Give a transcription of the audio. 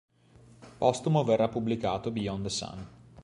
Postumo verrà pubblicato "Beyond the Sun".